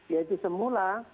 ya itu sebabnya